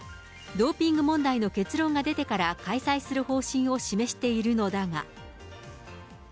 ドーピング問題の結論が出てから開催する方針を示しているのだが。